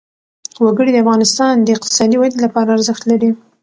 وګړي د افغانستان د اقتصادي ودې لپاره ارزښت لري.